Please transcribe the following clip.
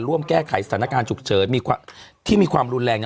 ร่วมแก้ไขสถานการณ์ฉุกเฉินที่มีความรุนแรง